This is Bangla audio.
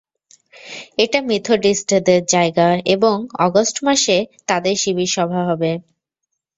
এটা মেথডিষ্টদের জায়গা এবং অগষ্ট মাসে তাদের শিবির-সভা হবে।